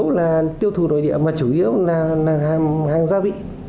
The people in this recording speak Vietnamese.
chủ yếu là tiêu thụ nội địa mà chủ yếu là hàng gia vị